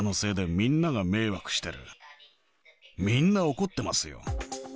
みんな怒ってますよ。